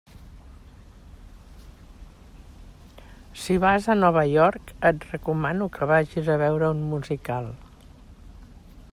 Si vas a Nova York et recomano que vagis a veure un musical.